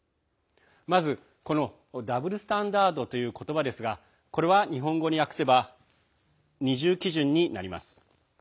まず、ダブルスタンダードという言葉ですがこれは日本語に訳せば二重基準になります。